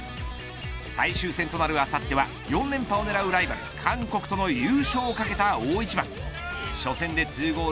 最終戦となるあさっては４連覇を狙うライバル韓国との優勝を懸けた大一番。